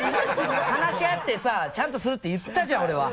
話し合ってさちゃんとするって言ったじゃん俺は。